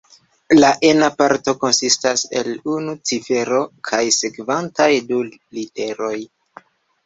La ena parto konsistas el unu cifero kaj sekvantaj du literoj.